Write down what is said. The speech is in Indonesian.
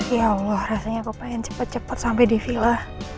ya allah rasanya aku pengen cepat cepat sampai di villa